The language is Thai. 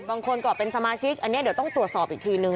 ก็เป็นสมาชิกอันนี้เดี๋ยวต้องตรวจสอบอีกทีนึง